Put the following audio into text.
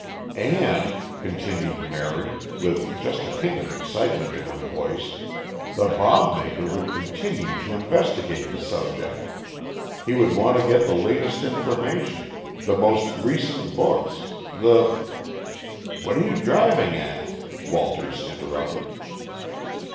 "And," continued Mary, with just a hint of excitement in her voice, "the bomb maker would continue to investigate the subject. He would want to get the latest information, the most recent books, the " "What are you driving at?" Walters interrupted.